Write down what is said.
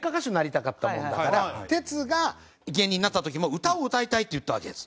テツが芸人になった時も「歌を歌いたい」って言ったわけです。